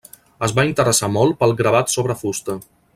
Es va interessar molt pel gravat sobre fusta.